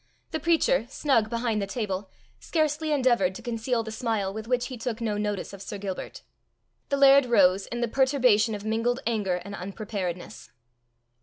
The preacher, snug behind the table, scarcely endeavoured to conceal the smile with which he took no notice of Sir Gilbert. The laird rose in the perturbation of mingled anger and unpreparedness.